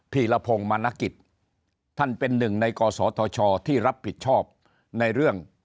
ีรพงศ์มณกิจท่านเป็นหนึ่งในกศธชที่รับผิดชอบในเรื่อง